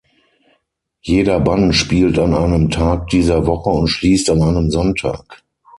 Jeder Band spielt an einem Tag dieser Woche und schließt an einem Sonntag.